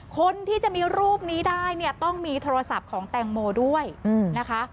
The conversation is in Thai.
คนที่จะมีรูปนี้ได้เนี่ยต้องมีโทรศัพท์ของแตงโมด้วยนะคะ